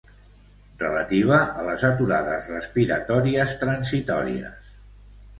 Relativa a les aturades respiratòries transitòries.